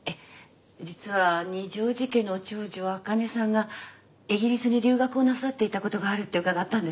実は二条路家の長女あかねさんがイギリスに留学をなさっていたことがあるって伺ったんです。